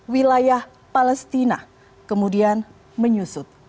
wilayah palestina kemudian menyusut